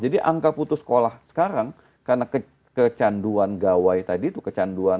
jadi angka putus sekolah sekarang karena kecanduan gawai tadi itu kecanduan